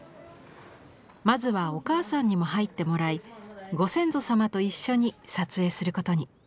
まずはお母さんにも入ってもらいご先祖様と一緒に撮影することに。